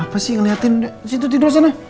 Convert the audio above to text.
apa sih ngeliatin situ tidur sana